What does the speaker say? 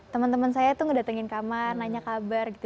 teman teman saya tuh ngedatengin kamar nanya kabar gitu